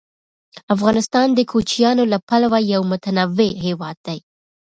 افغانستان د کوچیانو له پلوه یو متنوع هېواد دی.